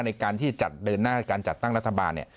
ในการที่เดินหน้าการจัดตั้งรัฐบาล